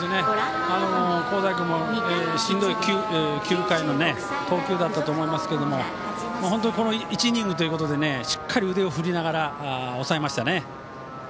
香西君も、しんどい９回の投球だったと思いますけれどもこの１イニングということでしっかり腕を振りながら抑えましたね。